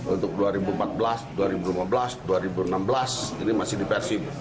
untuk dua ribu empat belas dua ribu lima belas dua ribu enam belas ini masih di persib